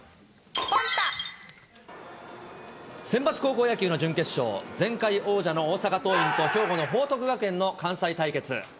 センバツ高校野球の準決勝、前回王者の大阪桐蔭と、兵庫の報徳学園の関西対決。